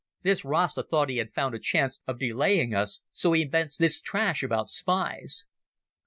This Rasta thought he had found a chance of delaying us, so he invents this trash about spies.